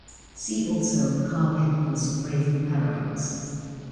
See also Carl Hempel's raven paradox.